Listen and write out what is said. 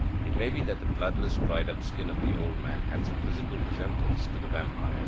It may be that the bloodless, dried up skin of the old man had some physical resemblance to the vampire's.